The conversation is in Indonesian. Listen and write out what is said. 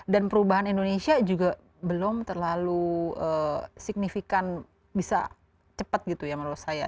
dan perubahan indonesia juga belum terlalu signifikan bisa cepat gitu ya menurut saya